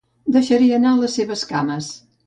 Deixaré anar les seves cames.